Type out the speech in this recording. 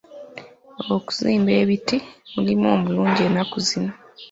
Okusimba emiti mulimu mulungi ennaku zino.